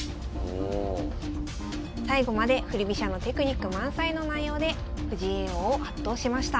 最後まで振り飛車のテクニック満載の内容で藤井叡王を圧倒しました。